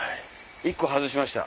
１個外しました。